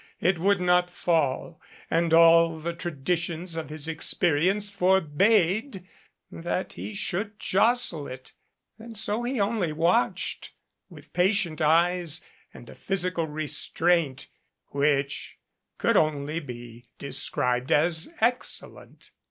It would not fall, and all the traditions of his experience forbade that he should jostle it. And so he only watched with 295 patient eyes and a physical restraint which could only be described as "excellent."